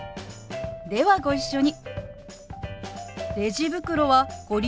ではご一緒に。